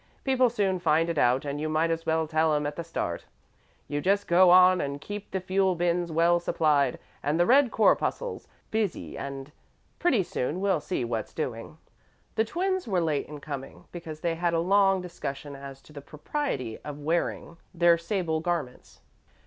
People soon find it out and you might as well tell 'em at the start. You just go on and keep the fuel bins well supplied and the red corpuscles busy and pretty soon we'll see what's doing." The twins were late in coming, because they had had a long discussion as to the propriety of wearing their sable garments.